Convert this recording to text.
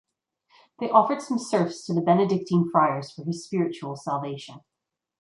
They offered some serfs to the Benedictine friars for his spiritual salvation.